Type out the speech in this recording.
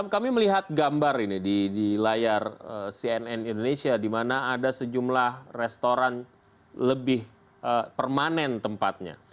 kami melihat gambar ini di layar cnn indonesia di mana ada sejumlah restoran lebih permanen tempatnya